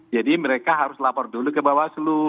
jadi mereka harus lapor dulu ke bawah slu